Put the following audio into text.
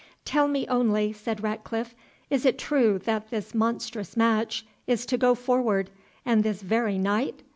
"Tell me only," said Ratcliffe, "is it true that this monstrous match is to go forward, and this very night?